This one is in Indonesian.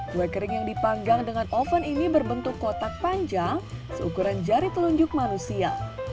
kue kering yang dipanggang dengan oven ini berbentuk kotak panjang seukuran jari telunjuk manusia